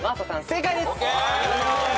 正解です。